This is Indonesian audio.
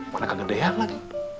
manakah gede hal lagi